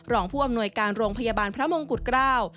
รองผู้อำนวยการโรงพยาบาลพระมงกุฎเกล้า